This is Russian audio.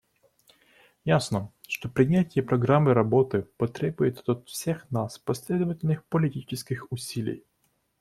Ясно, что принятие программы работы потребует от всех нас последовательных политических усилий.